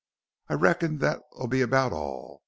I reckon that'll be about all.